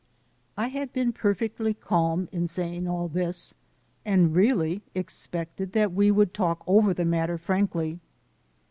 I had been perfectly calm in saying all this, and really expected that we would talk over the matter frankly.